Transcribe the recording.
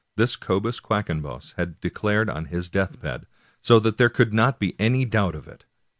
This Cobus Quackenbos had declared on his deathbed, so that there could not be any doubt of it.